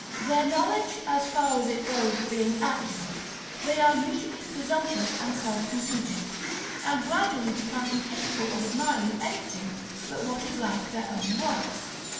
Their knowledge, as far as it goes, being accurate, they are usually presumptuous and self conceited, and gradually become incapable of admiring anything but what is like their own works.